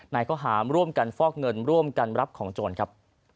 ข้อหามร่วมกันฟอกเงินร่วมกันรับของโจรครับ